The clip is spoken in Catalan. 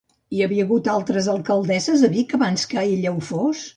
Hi havia hagut altres alcaldesses a Vic abans que ella ho fos?